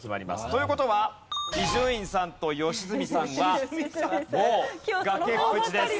という事は伊集院さんと良純さんはもう崖っぷちです。